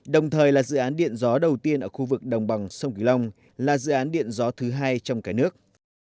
đồng thời là dự án điện gió đầu tiên ở khu vực đồng bằng sông kỳ long là dự án điện gió thứ hai trong cả nước